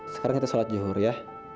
sekarang kita sholat zuhur ya